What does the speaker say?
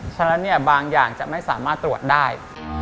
ฉะนั้นบางอย่างจะไม่สามารถตรวจได้